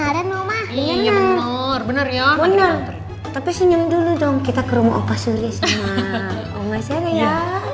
bener ya tapi senyum dulu dong kita ke rumah opa suri sama oma sana ya